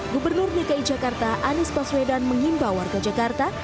gubernur dki jakarta anies paswedan menghimpau warga jakarta